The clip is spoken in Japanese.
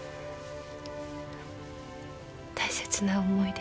大切な思い出。